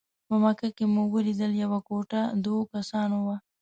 په مکه کې مو ولیدل یوه کوټه د اوو کسانو وه.